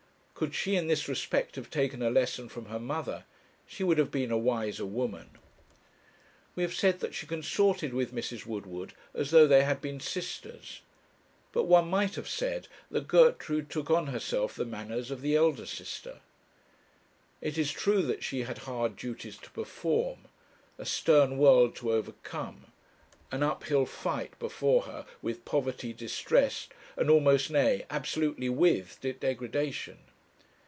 Could she, in this respect, have taken a lesson from her mother, she would have been a wiser woman. We have said that she consorted with Mrs. Woodward as though they had been sisters; but one might have said that Gertrude took on herself the manners of the elder sister. It is true that she had hard duties to perform, a stern world to overcome, an uphill fight before her with poverty, distress, and almost, nay, absolutely, with degradation.